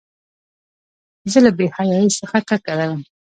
زه له بېحیایۍ څخه کرکه لرم.